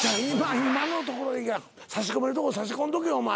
今のところいいから差し込めるところ差し込んどけお前。